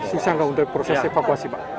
susah nggak untuk proses evakuasi pak